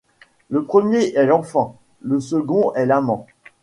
Le premier est l’enfant, le second est l’amant.